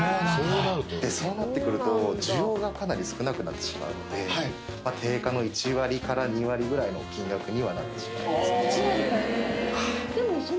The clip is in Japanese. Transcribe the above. そうなってくると需要がかなり少なくなってしまうので定価の１割２割ぐらいの金額にはなってしまいますね